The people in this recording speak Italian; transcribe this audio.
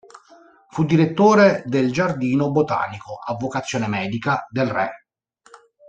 Fu direttore del giardino botanico, a vocazione medica, del re.